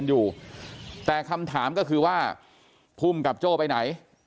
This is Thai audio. อยู่แต่คำถามก็คือว่าภูมิกับโจ้ไปไหน